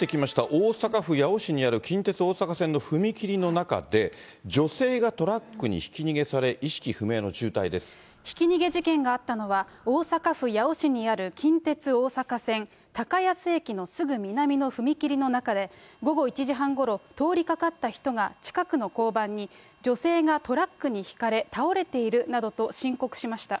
大阪府八尾市にある近鉄大阪線の踏切の中で、ひき逃げ事件があったのは、大阪府八尾市にある近鉄大阪線たかやす駅のすぐ南の踏切の中で、午後１時半ごろ、通りかかった人が近くの交番に女性がトラックにひかれ、倒れているなどと申告しました。